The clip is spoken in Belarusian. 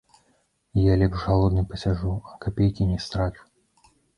Я лепш галодны пасяджу, а капейкі не страчу.